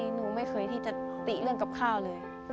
หนูไม่เคยที่จะติเรื่องกับข้าวเลย